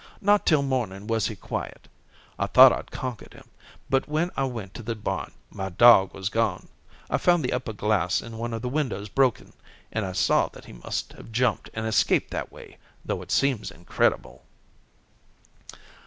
Not till morning was he quiet. I thought I'd conquered him, but when I went to the barn my dog was gone. I found the upper glass in one of the windows broken, and saw that he must have jumped and escaped that way, though it seems incredible."